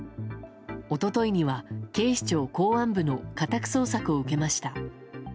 一昨日には警視庁公安部の家宅捜索を受けました。